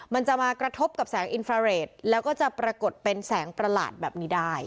มันจะมากระทบกับแสงอินฟราเรทแล้วก็จะปรากฏเป็นแสงประหลาดแบบนี้ได้